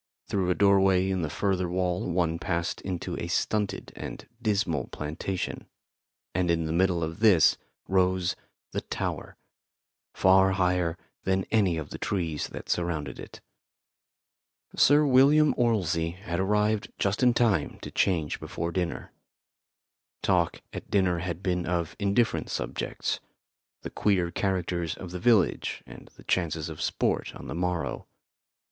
Through a doorway in the further wall one passed into a stunted and dismal plantation, and in the middle of this rose the tower, far higher than any of the trees that surrounded it. Sir William Orlsey had arrived just in time to change before dinner. Talk at dinner had been of indifferent subjects the queer characters of the village and the chances of sport on the morrow.